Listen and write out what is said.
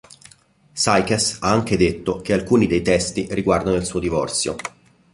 Sykes ha anche detto che alcuni dei testi riguardano il suo divorzio.